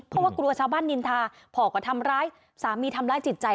เพราะว่ากลัวชาวบ้านนินทาพ่อก็ทำร้ายสามีทำร้ายจิตใจ